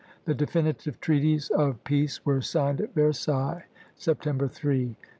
The definitive treaties of peace were signed at Versailles, September 3, 1783.